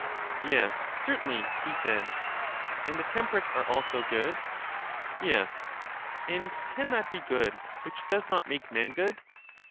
. Yes, certainly, he said. And the temperate are also good? Yes. And can that be good which does not make men good?